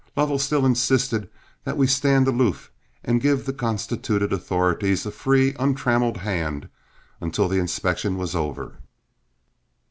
Lovell still insisted that we stand aloof and give the constituted authorities a free, untrammeled hand until the inspection was over.